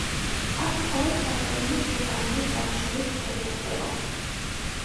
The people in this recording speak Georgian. აქ მხოლოდ ცალკეული ვულკანური წარმოშობის მთები გვხვდება.